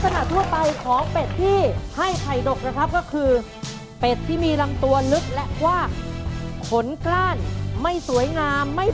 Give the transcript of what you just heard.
โดยนี่โดยราชใครตามไป